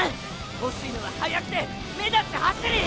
欲しいのは速くて目立つ走り